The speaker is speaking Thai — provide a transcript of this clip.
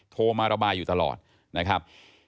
โทรมาระบายอยู่ตลอดนะครับ